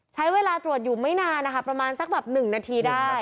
ใช้เวลาตรวจอยู่ไม่นานนะคะประมาณสักแบบ๑นาทีได้